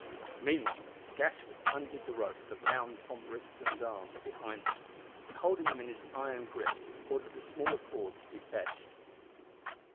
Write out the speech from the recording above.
Meanwhile Gashford undid the rope that bound Tom Brixton's arms behind him, and, holding him in his iron grip, ordered a smaller cord to be fetched.